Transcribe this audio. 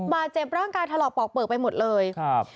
บาดเจ็บร่างกายถลอกปอกเปลือกไปหมดเลยครับ